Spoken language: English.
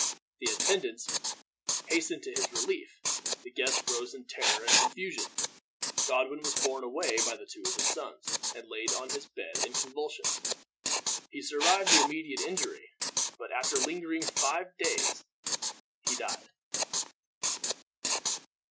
The attendants hastened to his relief, the guests rose in terror and confusion. Godwin was borne away by two of his sons, and laid on his bed in convulsions. He survived the immediate injury, but after lingering five days he died.